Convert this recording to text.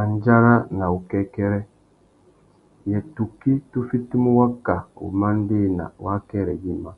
Andjara na wukêkêrê : yê tukí tu fitimú waka wumandēna wa akêrê yïmá ?